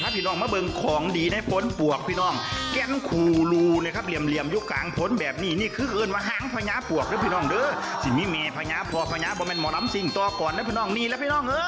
มองมุมนี้ไกลตอนหันแล้วไข่ปลาหมึกปิ้งเหมือนกันนะ